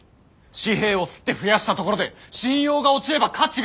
紙幣を刷って増やしたところで信用が落ちれば価値が下がる。